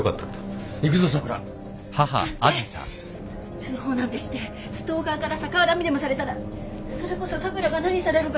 通報なんてしてストーカーから逆恨みでもされたらそれこそ咲良が何されるか